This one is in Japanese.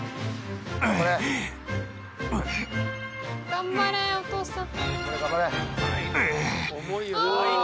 頑張れお父さん。